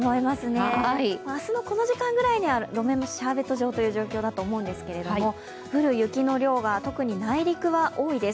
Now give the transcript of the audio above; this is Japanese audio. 明日のこの時間帯ぐらいは路面もシャーベット状だと思うんですけど降る雪の量が特に内陸は多いです。